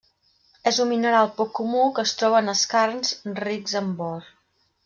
És un mineral poc comú que es troba en skarns rics en bor.